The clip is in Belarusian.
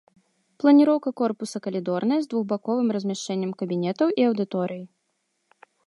Планіроўка корпуса калідорная з двухбаковым размяшчэннем кабінетаў і аўдыторый.